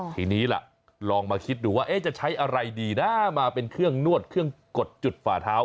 ทีนี้ล่ะลองมาคิดดูว่าจะใช้อะไรดีนะมาเป็นเครื่องนวดเครื่องกดจุดฝ่าเท้า